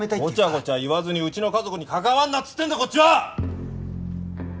ごちゃごちゃ言わずにうちの家族に関わるなっつってんだこっちは！